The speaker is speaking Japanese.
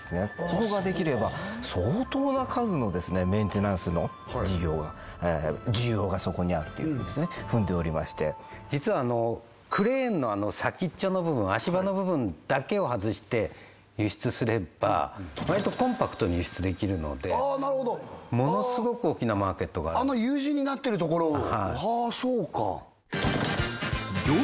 そこができれば相当な数のメンテナンスの需要がそこにあるというふうに踏んでおりまして実はクレーンの先っちょの部分足場の部分だけを外して輸出すれば割とコンパクトに輸出できるのでものすごく大きなマーケットがあるあのＵ字になっているところを？